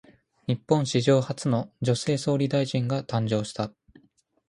日本史上初の女性総理大臣が誕生した。